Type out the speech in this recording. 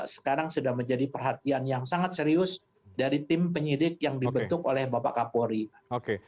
sekarang sudah menjadi perhatian yang sangat serius dari tim penyidik yang dibentuk oleh bapak kapolri